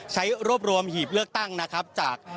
ใช้รวบรวมหีบเลือกตั้งจากทั่วทั้งเขต๑จังหวัดเชียงใหม่